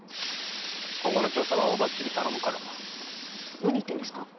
今後の調査は大庭っちに頼むから何言ってんですか